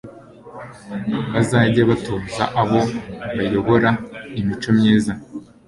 bazajye batoza abo bayobora imico myiza